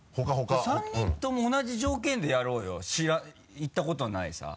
３人とも同じ条件でやろうよ言ったことないさぁ。